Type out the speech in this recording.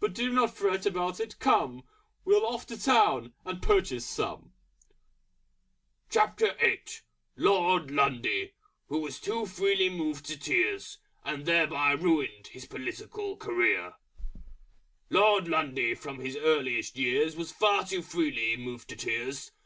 But do not fret about it! Come! We'll off to Town And purchase some!" LORD LUNDY, Who was too Freely Moved to Tears, and thereby ruined his Political Career. Lord Lundy from his earliest years Was far too freely moved to Tears.